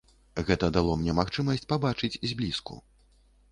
Гэта дало мне магчымасць пабачыць зблізку.